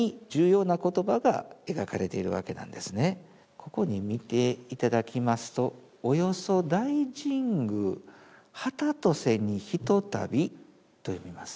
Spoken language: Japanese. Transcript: ここに見ていただきますと「およそ大神宮はたとせにひとたび」と読みます。